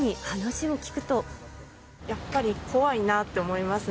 やっぱり怖いなって思いますね。